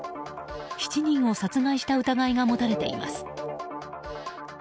７人を殺害した疑いが持たれています。